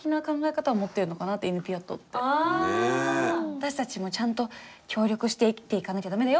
私たちもちゃんと協力して生きていかなきゃ駄目だよ。